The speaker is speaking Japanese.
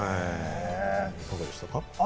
いかがでしたか？